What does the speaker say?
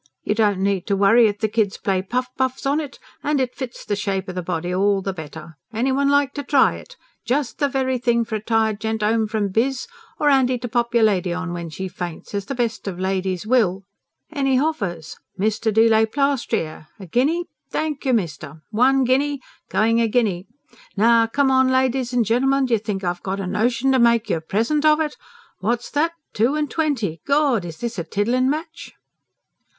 You don't need to worry if the kids play puff puffs on it; and it fits the shape o' the body all the better. Any one like to try it? Jest the very thing for a tired gent 'ome from biz, or 'andy to pop your lady on when she faints as the best of ladies will! Any h'offers? Mr. de la Plastrier" he said "Deelay plastreer" "a guinea? Thank you, mister. One guinea! Going a guinea! Now, COME on, ladies and gen'elmen! D'ye think I've got a notion to make you a present of it? What's that? Two and twenty? Gawd! Is this a tiddlin' match?"